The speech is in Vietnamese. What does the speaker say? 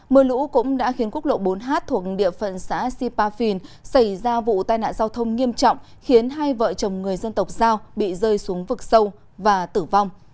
mưa lũ cũng đã khiến quốc lộ bốn h thuộc địa phận xã sipa phìn xảy ra vụ tai nạn giao thông nghiêm trọng khiến hai vợ chồng người dân tộc giao bị rơi xuống vực sâu và tử vong